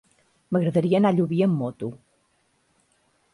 M'agradaria anar a Llubí amb moto.